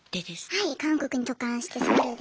はい韓国に渡韓してソウルで。